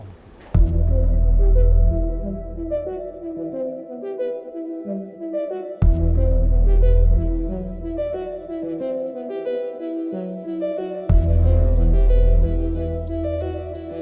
ยังไงครับผม